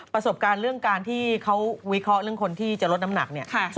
ประสบการณ์เรื่องการที่เขาวิเคราะห์เรื่องคนที่จะลดน้ำหนักเนี่ย